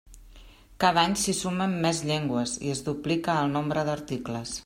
Cada any s'hi sumen més llengües i es duplica el nombre d'articles.